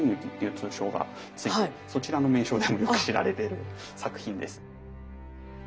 そちらの名称でもよく知られている作品です。